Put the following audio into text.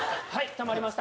たまりました。